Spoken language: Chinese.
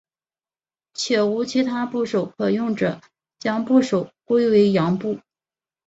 且无其他部首可用者将部首归为羊部。